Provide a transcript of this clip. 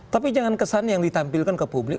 tapi jangan kesan yang ditampilkan ke publik